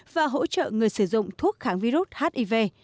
và hỗ trợ người sử dụng thuốc kháng virus hiv